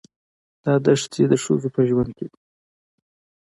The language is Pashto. دا دښتې د ښځو په ژوند کې دي.